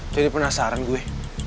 jadi penasaran gue